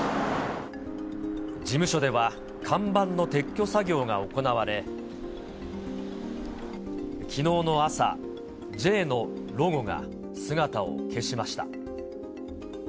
事務所では、看板の撤去作業が行われ、きのうの朝、Ｊのロゴが姿を消しました。